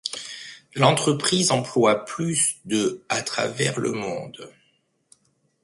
L'entreprise emploie plus de à travers le monde.